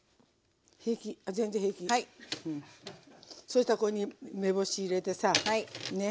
そうしたらここに梅干し入れてさね。